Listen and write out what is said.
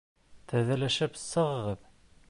Теҙелешеп сығығыҙ.